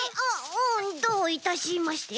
うんどういたしまして。